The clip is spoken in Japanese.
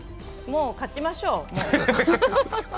もう勝ちましょう。